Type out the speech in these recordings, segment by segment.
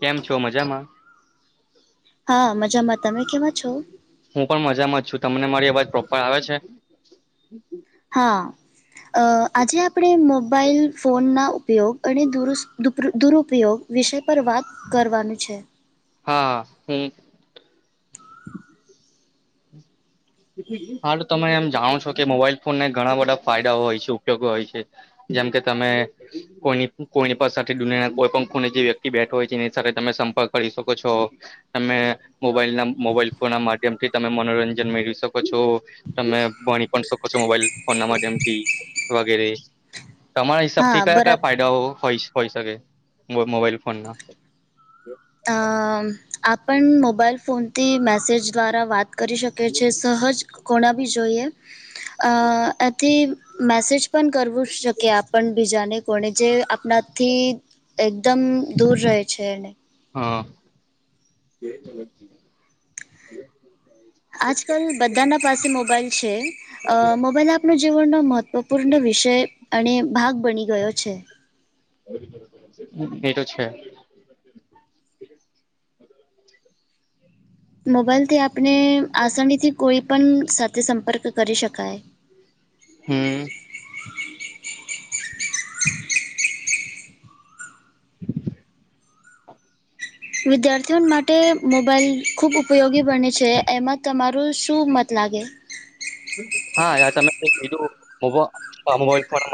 કેમ છો મજામાં. હા મજામાં તમે કેવા છો. હું પણ મજામાં જ છું તમને મારી અવાજ પ્રોપર આવે છે. હા આજે આપણે મોબાઈલ ફોન ના ઉપયોગ અને દુરસ્ત. દુરુપયોગ વિષય પર વાત કરવાનું છે. હા હ. હા તમે એમ જાણો છો કે મોબાઈલ ફોનને ઘણા બધા ફાયદાઓ હોય છે ઉપયોગ હોય છે. જેમ કે તમે. કોઈ કોઈની પા સાથે કોઈ પણ ખ જે વ્યક્તિ બેઠો હોય છે એની સાથે તમે સંપર્ક કરી શકો છો. તમે મોબાઈલ ના મોબાઈલ ફોન ના માધ્યમથી તમે મનોરંજન મેળ્યું. શકો છો તમે ભણી પણ શકો છો મોબાઈલ ફોન ના માધ્યમ થી. વગેરે. તમારા હા હિસાબથી કયા બરા કયા ફાયદાઓ હોય હોઈ શકે મોબાઈલ ફોન ના. આપણ મોબાઈલ ફોનથી મેસેજ દ્વારા વાત કરી શકીએ છીએ સહજ. કોણા બી જોઈએ એથી. મેસેજ પણ કરવું શકી આપણ બીજાને કોણે જે આપણાથી. એકદમ દૂર રહે છેને. હા. આજકાલ બધાના પાસે મોબાઈલ છે. અ મોબાઈલ આપણ જીવનનો મહત્વપૂર્ણ વિષય અને ભાગ બની ગયો છે. એ તો છે. મોબાઈલથી આપણે આસાનીથી કોઈ પણ સાથે સંપર્ક કરી શકાય. હમ્મ. વિદ્યાર્થીઓ માટે મોબાઈલ ખૂબ ઉપયોગી બને છે. એમાં તમારું શું મત લાગે? હા આ તમે જે કીધું [unintelligible] આ મોબાઈલ ફોન [inaudible]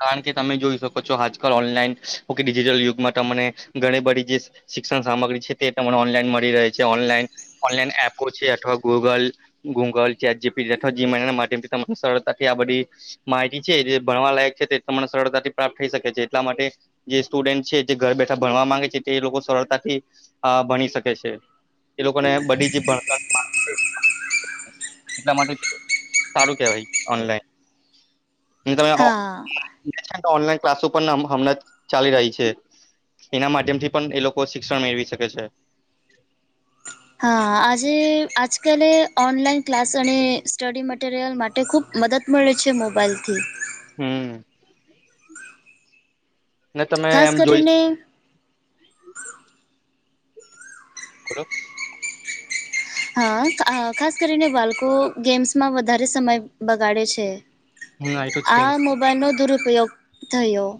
કારણ કે તમે જોઈ શકો છો આજકાલ ઓનલાઈન કે ડિજિટલ યુગમાં તમને ઘણી બધી જે શિક્ષણ સામગ્રી છે તે તમને ઓનલાઈન મળી રહે છે ઓનલાઈન, ઓનલાઈન એપો છે, અથવા Google ગૂંગલ chat G P T અથવા જીમાય ના માધ્મથી તમને સરળતાથી આ બધી માહિતી છે જે ભણવા લાયક છે તે તને સરળતાથી પ્રાપ્ત થઈ શકે છે, એટલા માટે જે સ્ટુડન્ટ છે, જે ઘર બેઠા ભણવા માંગે છે તે લોકો સરળતાથી અહ ભણી શકે છે. એ લોકોને બધી જ ભણતર [unintelligible] એટલા માટે સારું કેવાય ઓનલાઈન. જો હા તમે [inaudible] [inaudible] ઓનલાઈન ક્લાસો પણ હ હમણાં જ ચાલી રહી છે. જેના માધ્યમથી પણ એ લોકો શિક્ષણ મેળવી શકે છે. હા. આજે આજકાલે ઓનલાઈન ક્લાસ અને સ્ટડી મટીરિયલ માટે ખૂબ મદદ મળે છે મોબાઈલથી. હમ્મ. ને તમે ખાસ આમ જોઈ કરીને [unintelligible] હા. આ ખાસ કરીને બાળકો ગેમ્સમાં વધારે સમય બગાડે છે. હમ એ તો છે આ મોબાઈલ નો દુરુપયોગ થયો.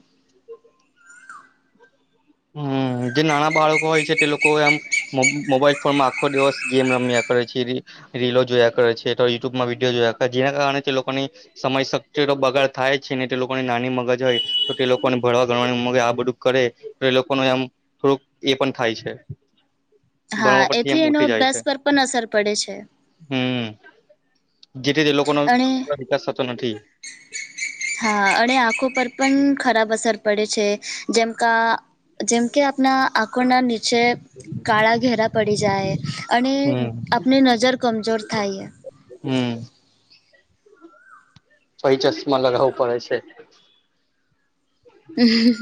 હમ્મ, જે નાના બાળકો હોય છે કે એ લોકો આમ મ મોબાઈલ ફોનમાં આખો દિવસ ગેમ રમ્યા કરે છે, એ રી રીલો જોયા કરે છે, અથવા યુટ્યુબમાં વિડીયો જોયા કરે, જેના કારણે તે લોકોની સમય શક્તિ તો બગાડ થાય છે, ને તે લોકોની નાની મગજ હોય તો તે લોકોને ભણવા ગણવાનું [unintelligible] આ બધું કરે તો એ લોકોને આમ થોડુંક એ પણ થાય છે. હા. ભણવા પરથી એથી એમ એનો અભ્યાસ પર પણ અસર પડે છે. હમ્મ, જેથી તે લોકોનો અને વિકાસ થતો નથી. હા, અને આંખો પર પન ખરાબ અસર પડે છે, જેમ કા જેમ કે આપના આંખોના નીચે કાળા ઘેરા પડી જાય, અને હમ. આપની નજર કમજોર થાય એ હમ પહીં ચશ્મા લગાવવું પડે છે.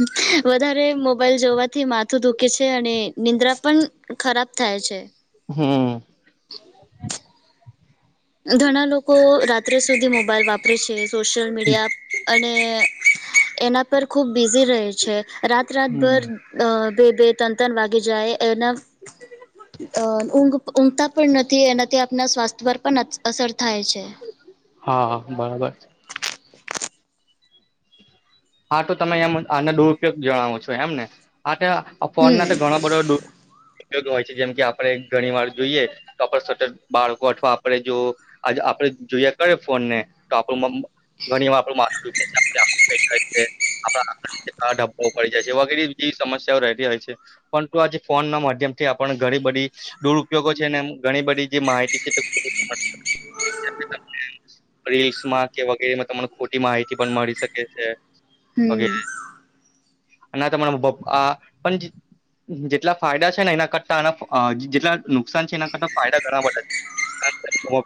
[inaudible] વધારે મોબાઈલ જોવાથી માથું દુખે છે, અને નિંદ્રા પણ ખરાબ થાય છે. હમ્મ. ધણા લોકો રાત્રે સુધી મોબાઈલ વાપરે છે, સોશિયલ મીડિયા અને એના પર ખુબ બિઝી રહે છે, રાત-રાત ભર હમ. અહ બે-બે તન-તન વાગી જાય એના અહ ઊંઘ ઊંઘતા પણ નથી, એનાથી આપના સ્વાસ્થ પર પણ અ અસર થાય છે. હા, બરાબર. હા તો તમે એમ આના દુરુપયોગ જણાવો છો એમ ને. આ તો ફોન હમ ના તો ઘણો બધો દૂર પયોગ હોય છે, જેમ કે આપણે ઘણી વાર જોઈએ, તો આપ સતત બાળકો અથવા આપે જો આજે આપડે જોઈયા કરે ફોન ને તો આપણું મમ ઘણીવાર આપણું માથું છ, આપણા [unintelligible] પડી જાય છે, વગેરે જવી સમસ્યાઓ રહેતી હોય છે. પરંતુ આજે ફોન ના માધ્યમ થી આપણ ઘણી બધી દુરપયોગો છે, ને એમ ઘણી બધી જે માહિતી છે તે ખૂબ જ [inaudible] [inaudible] રીલ્સમાં કે વગેરેમાં તમને ખોટી માહિતી પણ મળી શકે છે. હમ વગેરે. અને આ તમારા પપ [unintelligible] જેટલા ફાયદા છે ને એના કરતા આના જેટલા નુકસાન છે, એના કરતા ફાયદા ઘણા બધા છે.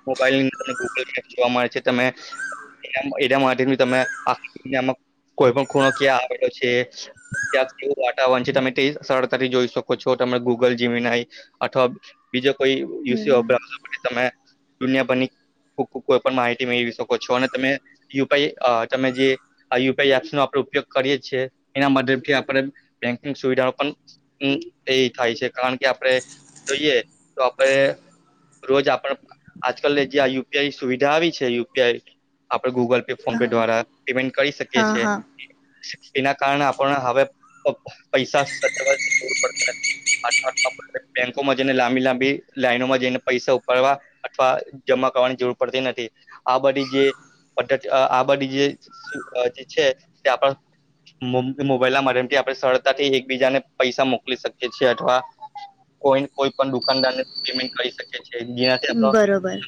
મોબાઈલ ની અંદરને ગૂગલ મેપ જોવા મળે છે તમે. એના માટે તમે આમાં કોઈ પણ ખૂણો ક્યાં આવેલો છે. ત્યાં કેવું વાતાવરણ છે તમે તે સરળતાથી જોઈ શકો છો તમે ગૂગલ જીવી નાય. અથવા બીજો કોઈ યુસી હમ તમે દુનિયા ભની. કોઈ પણ માહિતી મેળવી શકો છો અને તમે યુપી તમે જે. યુપીઆઈ એપ્સ નો આપડે ઉપયોગ કરીએ છીએ એના મદદથી આપણે બેંકિંગ સુવિધાઓ પણ હમ એ થાય છે કારણ કે આપડણે જોઈએ તો આપણે રોજ આપડ આજકાલ ને જ્યાં યુપીઆઈની સુવિધા આવી છે યુપીઆઈ આપડણે ગૂગલ પે ફોન હા પે દ્વારા પેમેન્ટ કરી શકીએ હા છીએ હા એના કારણે આપણ હવે પૈસા સચ બેંકોમાં જઈને લાંબી લાંબી લાઈનોમાં જઈને પૈસા ઉપાડવા અથવા જમા કરવાની જરૂર પડતી નથી આ બધી જે બ આ બધી જે જે છે તે આપણ મોબાઈલ ના માધ્યમથી આપણે સરળતાથી એકબીજાને પૈસા મોકલી શકીએ છીએ અથવા કોઈ કોઈ પણ દુકાનદાર ને પેમેન્ટ કરી શકે છે જ્યા બરોબર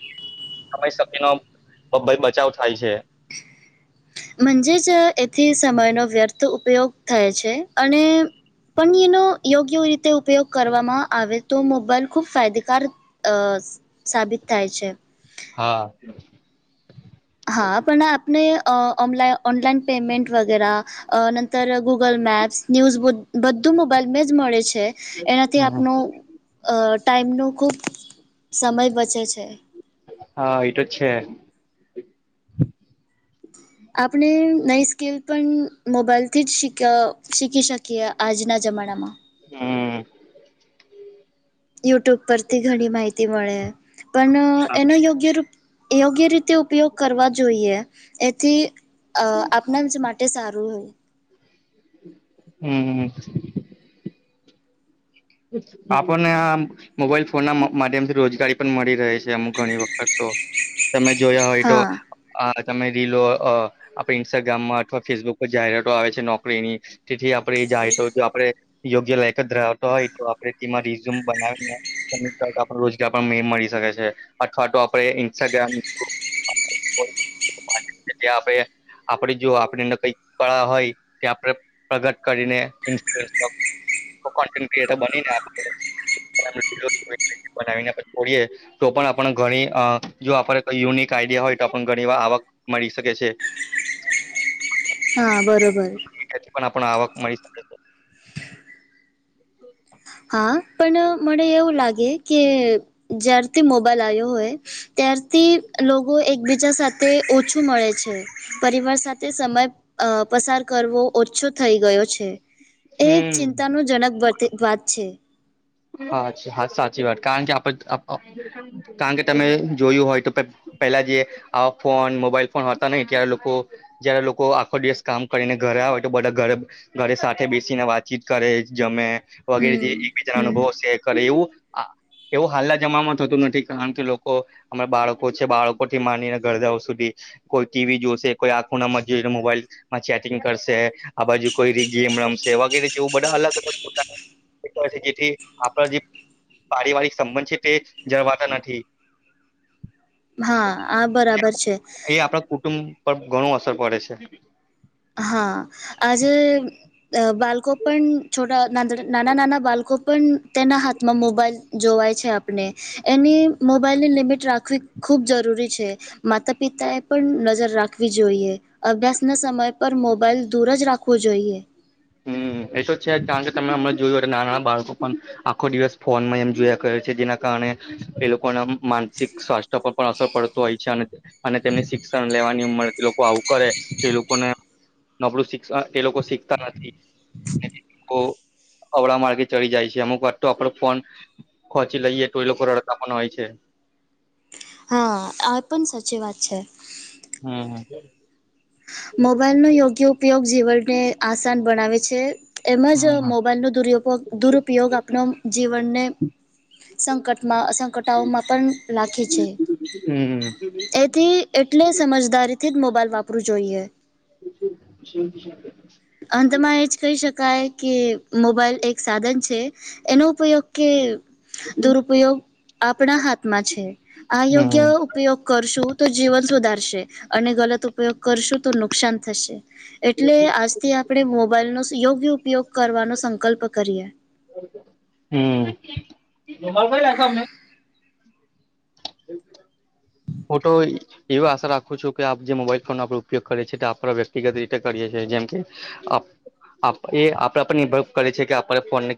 રી શક્તિ નો બચાવ થાય છે. મજે જ એથી સમયનો વ્યર્થ ઉપયોગ થાય છે અને પણ એનો યોગ્ય રીતે ઉપયોગ કરવામાં આવે તો મોબાઈલ ખૂબ ફાયદેકાર અ સાબિત થાય છે. હા. હા પણ આપણે ઓનલા ઓનલાઈન પેમેન્ટ વગેરા અ ગુગલ મેપ્સ ન્યૂઝ બધું મોબાઈલ મે જ મળે છે. એનાથી હમ આપણ ટાઈમનો ખૂબ સમય બચે છે. હા એતો જ છે. આપણે નવી સ્કીિલ પણ મોબાઈલથી જ શી શીખી શકીએ આજના જમાનામાં હમ યુટ્યુબ પરથી ઘણી માહિતી મળે પણ એનો યોગ્ય રૂપ યોગ્ય રીતે ઉપયોગ કરવા જોઈએ એથી આપણા જ માટે સારું હોય હમ. આપણ મોબાઈલ ફોન ના માધ્યમથી રોજગારી પણ મળી રહે છે અમુક ઘણી વખત તો તમે જોયા હોય તો હા અ તમે રીલો આપડે ઇન્સ્ટાગ્રામમાં અથવા ફેસબુક પર જાહેરાતો આવે છે નોકરીની તેથી આપડે જાાય તો આપડે યોગ્ય લાયક જ હોય તો આપડે તેમાં રિઝૂમ બનાવીને આપ રોજગાર પણ મે મળી શકે છે અથવા તો આપણે ઇન્સ્ટાગ્રામ [unintelligible] [inaudible] [unintelligible] આપણેે જો આપણેને કઈ કળા હોય ત્યાં આપણે પ્રગટ કરીને તો બનીને આપનાવીને પછીડીએ તો પણ આપણ ઘણી જો આપણે યુનિક આઈડિયા હોય તો આપને ઘણી વાર આવક મળી શકે છે. હા બરોબર પણ આપણ આવક મળી શકે છે. હા પણ મને એવું લાગે કે જયારથી મોબાઈલ આવ્યો હોય ત્યારથી લોકો એકબીજા સાથે ઓછું મળે છે પરિવાર સાથે સમય અ પસાર કરવો ઓછો થઈ ગયો છે. એ એક હમ ચિંતાનુંજનક વાત છે. હાછા હા સાચી વાત કારણ કે આપ કારણ કે તમે જોયું હોય તો પેલા જે આવા ફોન મોબાઈલ ફોન હતા નહી ત્યારે લોકો જયારે લોકો આખો દિવસ કામ કરીને ઘરે આવે તો બધા ઘરે ઘરે સાથે બેસીને વાતચીત કરે જમે વગેરે જે હમ એકબીજા હમ અનુભવ [inaudible] કર એવું એવું હાલના જમામાં થતું નથી કારણ કે લોકો અમે બાળકો છે બાળકો થી માનીને ઘરડાઓ સુધી કોઈ ટીવી જોશે કોઈ આંખો ના [unintelligible] મોબાઈલ માં ચેટિંગ કરશે આ બાજુ કોઈ ર ગેમ રમશે વગેરે જેવું બધા અલગ અલગ પોતાનું [unintelligible] તે આપણા જે પારિવારિક સંબંધ છે તે જળવાતા નથી. હા આ બરાબર છે એ આપણા કુટુંબ પર ઘણું અસર પડે છે. હા આજે અ બાલકો પણ છોટા ના નાના નાના બાળકો પણ તેના હાથમાં મોબાઈલ જોવાય છે આપણે એની મોબાઈલને લિમિટ રાખવી ખૂબ જરૂરી છે. માતા પિતા એ પણ નજર રાખવી જોઈએ અભ્યાસ ના સમય પર મોબાઈલ દૂર જ રાખવો જોઈએ. હમ એ તો છે કારણ કે તમે હમણાં જોયું ના નાના બાળકો પણ આખો દિવસ ફોનમાં એમ જોયા કર્યો છે જેના કારણે એ લોકો ના માનસિક સ્વાસ્થ પર પણ અસર પડતો હોય છે અને અને તેમની શિક્ષણ લેવાની ઉંમર લોકો આવું કરે તે લોકોને નબળું શિક્ષણ એ લોકો શીખતા નથી. અવળા માર્ગે ચડી જાય છે અમુક વાત તો આપડો ફોન ખચી લઈએ ઈલોકો રડતા હોય છે. હા આ પણ સાચી વાત છે. હમ હ મોબાઈલનો યોગ્ય ઉપયોગ જીવનને આસાન બનાવે છે. એમ જ હમ મોબાઈલનો [unintelligible] દુરુપયોગ આપણ જીવનને સંકટમાં સંકટાઓમાં પણ રાખે છે. હમ હમ એથી એટલે સમજદારીથી જ મોબાઈલ વાપરવું જોઈએ [inaudible] અંતમાં એ જ કહી શકાય કે મોબાઈલ એક સાધન છે. એનો કોઈ ઉકેલ દુરુપયોગ આપણા હાથમાં છે આયોગ્ય હમ ઉપયોગ કરશું તો જીવન સુધારશે અને ગલત ઉપયોગ કરશું તો નુકસાન થશે. એટલે આજથી આપણે મોબાઈલ નો યોગ્ય ઉપયોગ કરવાનો સંકલ્પ કરીએ. [unintelligible] [inaudible] ફોટો એવી આશા રાખું છું કે આપ જે મોબાઈલ ફોન આપડ ઉપયોગ કરીએ છીએ તો આપણે વ્યક્તિગત રીતે કરીએ છીએ જેમ કે [unintelligible] એ આપડા પણ નિભ કરે છે કે આપ ફોનને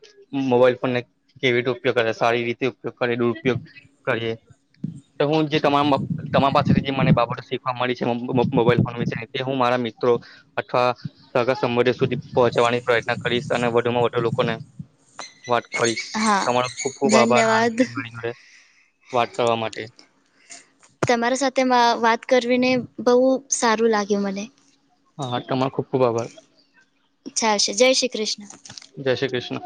મોબાઈલ ફોનને કેવી રીતે ઉપયોગ કર સારી રીતે ઉપયોગ કરી દુરપયોગ કરીએ તમામ તમારી પાસેથી જે મને બાબતો શીખવા મળી છે [unintelligible] મોબાઈલ ફોન વિશે તે હું મારા મિત્રો અથવા સગાસંબંધો સુધી પહોચાવાની પ્રયત્ન કરીશ અને વધુમાં વધુ લોકોને વાત કરીશ હા. તમારો ખુબ ખુબ આભાર ધન્યવાદ. [unintelligible] વાત કરવા માટે તમારા સાથે વાત કરવીને બહુ સારું લાગ્યું મને હા હા તમારો ખુબ ખૂબ આભાર ચાલશે જય શ્રી કૃષ્ણ જય શ્રી કૃષ્ણ